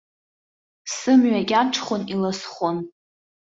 Сымҩа кьаҿхон, иласхон.